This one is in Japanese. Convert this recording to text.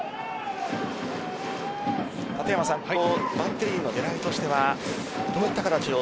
バッテリーの狙いとしてはどういった形を？